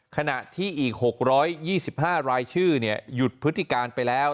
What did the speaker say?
ขณะที่อีก๖๒๕รายชื่อหยุดพฤติการไปแล้ว